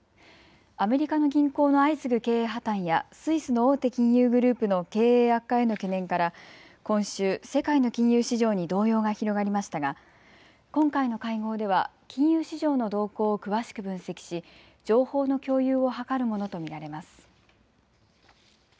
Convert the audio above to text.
アメリカの銀行の相次ぐ経営破綻やスイスの大手金融グループの経営悪化への懸念から今週、世界の金融市場に動揺が広がりましたが今回の会合では金融市場の動向を詳しく分析し情報の共有を図るものと見られます。